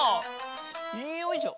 よいしょ。